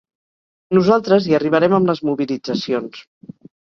Nosaltres hi arribarem amb les mobilitzacions.